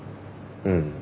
うん。